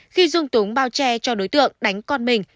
khi dung túng bao che cho đối tượng đánh con mình